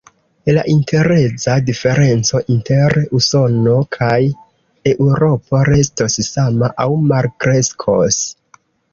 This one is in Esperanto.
La intereza diferenco inter Usono kaj Eŭropo restos sama aŭ malkreskos.